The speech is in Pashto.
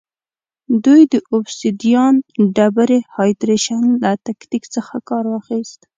دوی د اوبسیدیان ډبرې هایدرېشن له تکتیک څخه کار واخیست